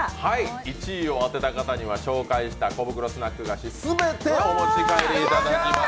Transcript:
１位を当てた方には紹介した小袋スナック菓子すべてお持ち帰りいただきます！